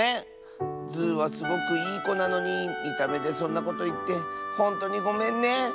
ズーはすごくいいこなのにみためでそんなこといってほんとにごめんね！